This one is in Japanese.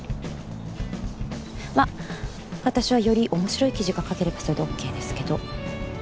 まあ私はより面白い記事が書ければそれでＯＫですけど。